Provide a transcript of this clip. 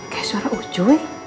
kayak suara ucuy